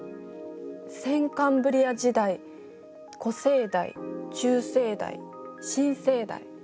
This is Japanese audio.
先カンブリア時代古生代中生代新生代。